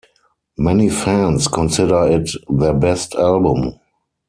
Many fans consider it their best album.